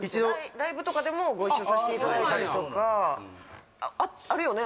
ライブとかでもご一緒させていただいたりとかあるよね？